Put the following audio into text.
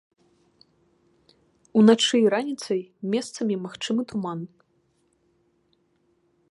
Уначы і раніцай месцамі магчымы туман.